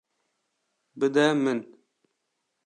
Bide min.